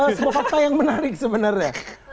sebuah fakta yang menarik sebenarnya